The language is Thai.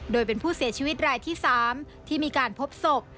โดยเป็นผู้เสียชีวิตรายที่๓ที่มีการพบศพ